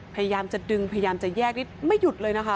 พยายามจะดึงพยายามจะแยกนิดไม่หยุดเลยนะคะ